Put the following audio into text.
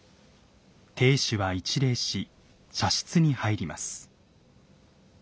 亭主は一礼し茶室に入ります。